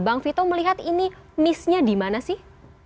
bang vito melihat ini miss nya di mana sih